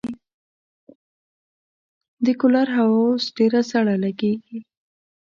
د کولر هوا اوس ډېره سړه لګېږي.